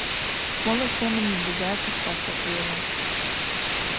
— Моло семын нигузеат ышташ ок лий ыле.